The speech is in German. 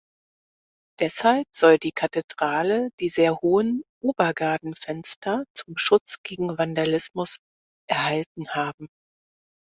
Deshalb soll die Kathedrale die sehr hohen Obergadenfenster zum Schutz gegen Vandalismus erhalten haben.